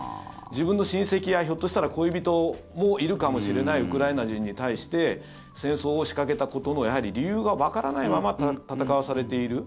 自分の親戚や、ひょっとしたら恋人もいるかもしれないウクライナ人に対して戦争を仕掛けたことの理由がわからないまま戦わされている。